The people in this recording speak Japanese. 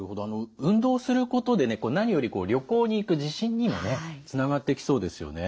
運動することでね何より旅行に行く自信にもねつながってきそうですよね。